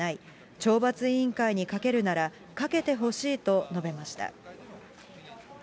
懲罰委員会にかけるなら、かけてほしいと述べました。